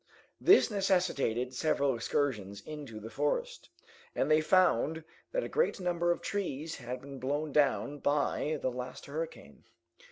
This necessitated several excursions into the forest, and they found that a great number of trees had been blown down by the last hurricane.